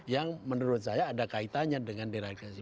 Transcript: yang menurut saya ada kaitannya dengan deradikalisasi